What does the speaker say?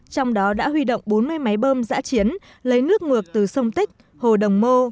trong đó đã huy động bốn mươi máy bơm giã chiến lấy nước ngược từ sông tích hồ đồng mô